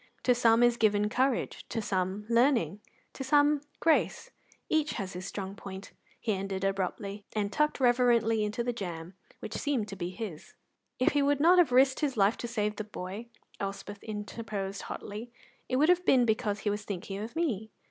"To some is given courage, to some learning, to some grace. Each has his strong point," he ended abruptly, and tucked reverently into the jam, which seemed to be his. "If he would not have risked his life to save the boy," Elspeth interposed hotly, "it would have been because he was thinking of me."